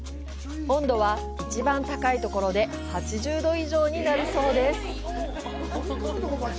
温度は、一番高いところで８０度以上になるそうです。